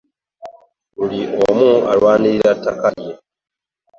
Buli omu alwaniirira ttaka lye.